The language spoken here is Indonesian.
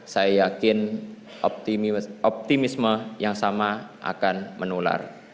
saya yakin optimisme yang sama akan menular